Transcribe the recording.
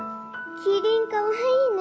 キリンかわいいね。